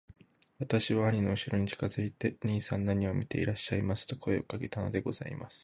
私は兄のうしろに近づいて『兄さん何を見ていらっしゃいます』と声をかけたのでございます。